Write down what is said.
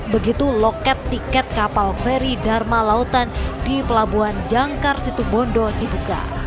begitu loket tiket kapal feri dharma lautan di pelabuhan jangkar situbondo dibuka